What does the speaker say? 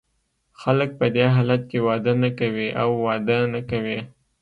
خلګ په دې حالت کې واده نه کوي او واده نه کوي.